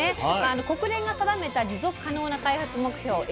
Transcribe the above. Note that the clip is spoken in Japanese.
国連が定めた持続可能な開発目標